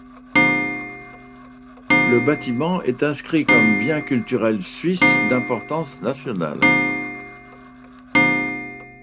Le bâtiment est inscrit comme bien culturel suisse d'importance nationale.